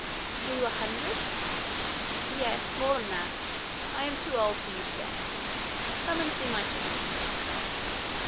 'Are you a hundred?' 'Yes more than that. I am too old for you to guess. Come and see my chickens.'